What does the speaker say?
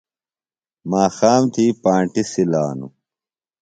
ماخام تھی پانٹیۡ سِلانوۡ۔